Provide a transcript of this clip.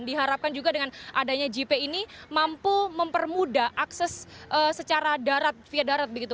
diharapkan juga dengan adanya jip ini mampu mempermudah akses secara darat via darat begitu